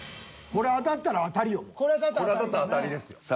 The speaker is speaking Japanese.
これ当たったら当たりですね。